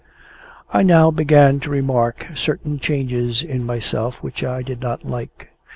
I now began to remark certain changes in myself which I did not like.